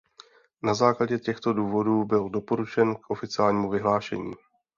Na základě těchto důvodů byl doporučen k oficiálnímu vyhlášení.